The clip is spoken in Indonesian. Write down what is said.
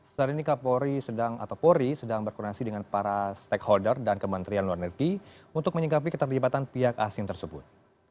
saat ini kapolri sedang berkorasi dengan para stakeholder dan kementerian luar negeri untuk menyingkapi keterlibatan pihak asing tersebut